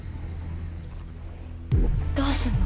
どうすんの？